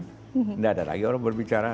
tidak ada lagi orang berbicara